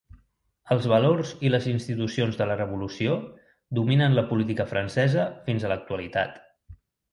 Els valors i les institucions de la Revolució dominen la política francesa fins a l'actualitat.